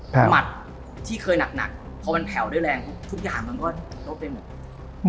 ประมาทที่เคยหนักพอแผ่วด้วยแรงทุกอย่างเรามันก็โลกได้หมด